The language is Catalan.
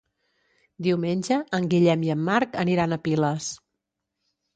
Diumenge en Guillem i en Marc aniran a Piles.